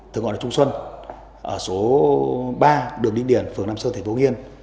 thường gọi là trung xuân ở số ba đường định điền phường nam sơn tp nghiên